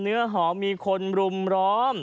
เนื้อหอมมีคนรุมร้อม